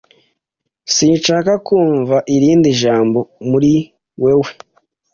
Sinshaka kumva irindi jambo muri wewe.